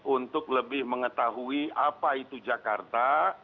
untuk lebih mengetahui apa itu jakarta